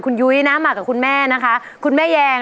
คุณยุ้ยนะมากับคุณแม่นะคะคุณแม่แยง